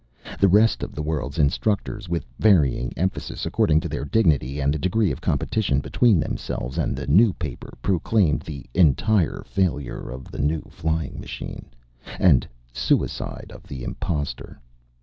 The rest of the world's instructors, with varying emphasis, according to their dignity and the degree of competition between themselves and the New Paper, proclaimed the "Entire Failure of the New Flying Machine," and "Suicide of the Impostor."